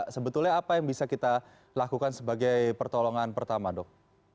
sebetulnya apa yang bisa kita lakukan sebagai pertolongan pertama dok